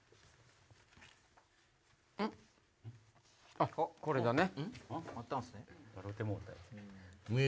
あっこれだね。